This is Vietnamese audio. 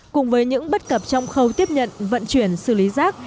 cùng với những bất cập trong khâu tiếp nhận vận chuyển xử lý rác